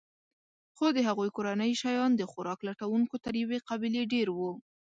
خو د هغوی کورنۍ شیان د خوراک لټونکو تر یوې قبیلې ډېر وو.